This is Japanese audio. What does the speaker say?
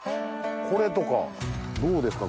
これとかどうですか？